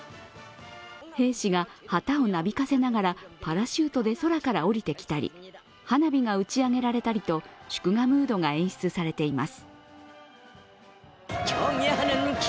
兵士が旗をなびかせながらパラシュートで空から下りてきたり花火が打ち上げられたりと、祝賀ムードが演出されています。